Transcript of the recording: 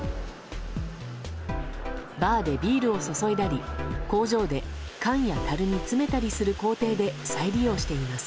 バーでビールを注いだり工場で缶やたるに詰めたりする工程で再利用しています。